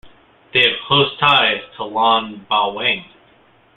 They have close ties to the Lun Bawang.